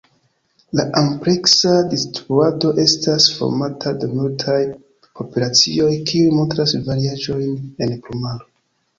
La ampleksa distribuado estas formata de multaj populacioj kiuj montras variaĵojn en plumaro.